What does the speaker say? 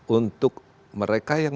untuk mereka yang